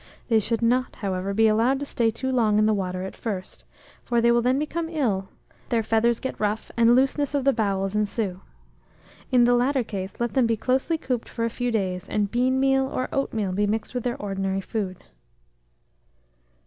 They should not, however, be allowed to stay too long in the water at first; for they will then become ill, their feathers get rough, and looseness of the bowels ensue. In the latter case, let them be closely cooped for a few days, and bean meal or oatmeal be mixed with their ordinary food.